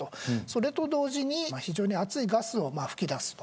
それと同時に非常に熱いガスが噴き出す。